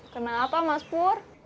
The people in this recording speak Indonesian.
kenal apa mas pur